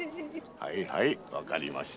はいはいわかりました。